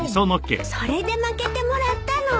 それでまけてもらったの？